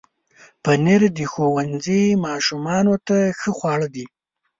پنېر د ښوونځي ماشومانو ته ښه خواړه دي.